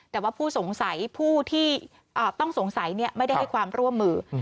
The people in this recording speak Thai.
แต่ว่าผู้สงสัยผู้ที่ต้องสงสัยไม่ได้ให้ความร่วมมือ